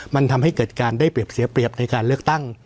มันทำให้เกิดการได้เปรียบเสียเปรียบในการเลือกตั้ง